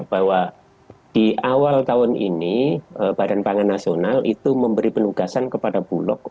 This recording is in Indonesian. bahwa di awal tahun ini badan pangan nasional itu memberi penugasan kepada bulog